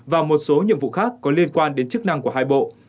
và một số nhiệm vụ khác có liên quan đến chức năng của hai bộ